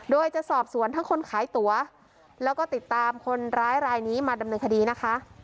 โดยจะสอบสวนทั้งคนขายตั๋วแล้วก็ติดตามคนร้ายรายนี้มาดำเนินคดีนะคะ